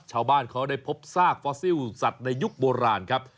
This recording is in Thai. ชาวบ้านเขาได้พบซากฟอสซิลสัตว์ในยุคโบราณครับ